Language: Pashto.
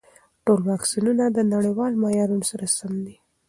ټول واکسینونه د نړیوال معیارونو سره سم دي.